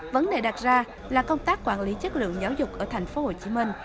vấn đề đặt ra là công tác quản lý chất lượng giáo dục ở thành phố hồ chí minh